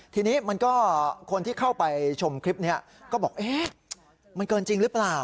ทีนี้มันก็คนที่เข้าไปชมคลิปนี้ก็บอกเอ๊ะมันเกินจริงหรือเปล่า